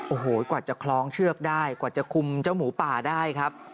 โอ้โหกว่าจะคล้องเชือกได้กว่าจะคุมเจ้าหมูป่าได้ครับ